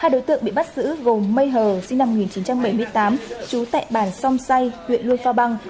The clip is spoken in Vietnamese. hai đối tượng bị bắt giữ gồm may hờ sinh năm một nghìn chín trăm bảy mươi tám chú tẹ bản song sai huyện luông pha bang